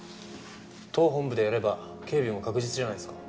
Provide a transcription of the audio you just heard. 党本部でやれば警備も確実じゃないですか。